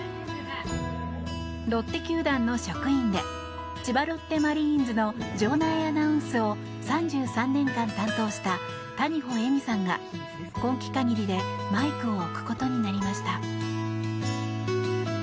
ロッテ球団の職員で千葉ロッテマリーンズの場内アナウンスを３３年間担当した谷保恵美さんが、今季限りでマイクを置くことになりました。